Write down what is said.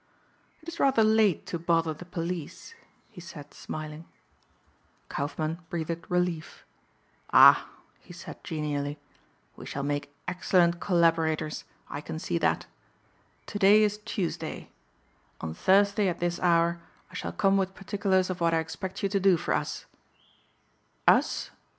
"It is rather late to bother the police," he said smiling. Kaufmann breathed relief, "Ah," he said genially, "we shall make excellent collaborators, I can see that. To day is Tuesday. On Thursday at this hour I shall come with particulars of what I expect you to do for us?" "Us?"